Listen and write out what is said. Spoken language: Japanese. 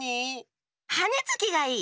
はねつきがいい！